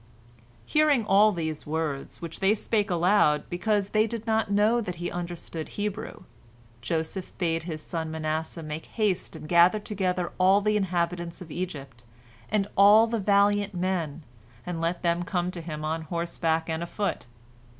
Hearing all these words, which they spake aloud, because they did not know that he understood Hebrew, Joseph bade his son Manasseh make haste and gather together all the inhabitants of Egypt, and all the valiant men, and let them come to him on horseback and afoot.